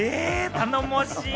頼もしい！